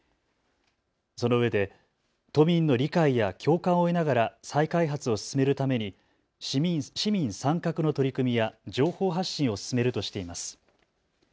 そのうえで都民の理解や共感を得ながら再開発を進めるために市民参画の取り組みや情報発信を進めるとしています。